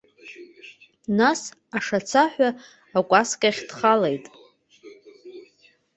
Нас ашацаҳәа акәаскьахь дхалеит.